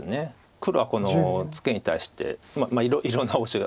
黒はこのツケに対していろんなオシが。